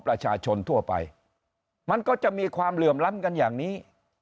ประชาชนทั่วไปมันก็จะมีความเหลื่อมล้ำกันอย่างนี้